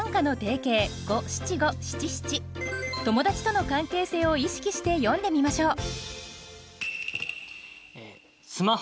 友達との関係性を意識して詠んでみましょう。